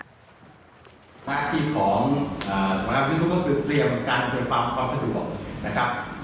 หน้าที่ของอ่าสำหรับพี่ทูตก็เตรียมการเตรียมความสะดวกนะครับ